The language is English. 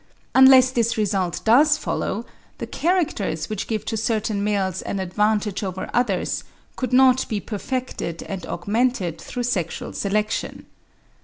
Unless this result does follow, the characters which give to certain males an advantage over others, could not be perfected and augmented through sexual selection.